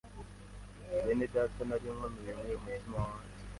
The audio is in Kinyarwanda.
Benedata nari nkomerewe umutima wanjye